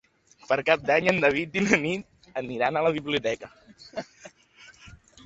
Per Cap d'Any en David i na Nit aniran a la biblioteca.